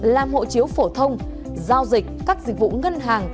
làm hộ chiếu phổ thông giao dịch các dịch vụ ngân hàng